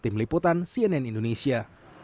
tim liputan cnn indonesia